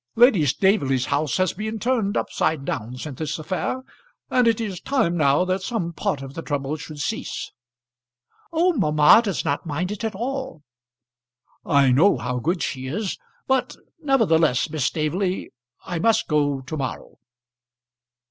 "Lady Staveley's house has been turned up side down since this affair, and it is time now that some part of the trouble should cease." "Oh! mamma does not mind it at all." "I know how good she is; but nevertheless, Miss Staveley, I must go to morrow."